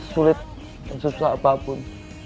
sulit susah apapun